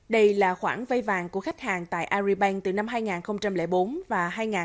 đây là khoản vây vàng của khách hàng tại aribank từ năm hai nghìn bốn và hai nghìn năm